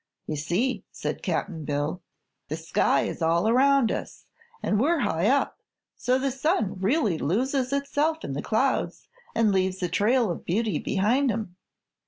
"You see," said Cap'n Bill, "the sky is all around us, an' we're high up; so the sun really loses itself in the clouds an' leaves a trail of beauty behind him."